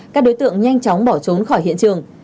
các đối tượng nhanh chóng bỏ trốn khỏi hiện trường